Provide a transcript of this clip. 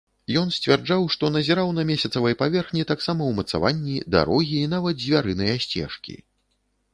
Ён сцвярджаў, што назіраў на месяцавай паверхні таксама ўмацаванні, дарогі і нават звярыныя сцежкі.